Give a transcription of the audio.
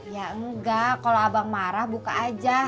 ya enggak kalau abang marah buka aja